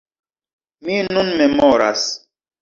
Mi nun memoras.